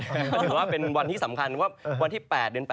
ก็ถือว่าเป็นวันที่สำคัญว่าวันที่๘เดือน๘